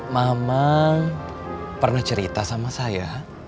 mama pernah cerita sama saya